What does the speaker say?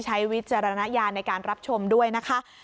วิจารณญาณในการรับชมด้วยนะคะ